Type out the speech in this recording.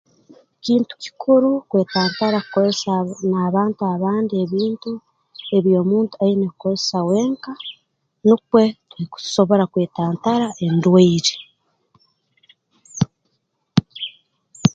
Kintu kikuru kwetantara kukozesa n'abantu abandi ebintu ebi omuntu aine kukozesa wenka nukwe ntusobora kwetantara endwaire